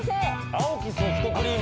青きソフトクリーム。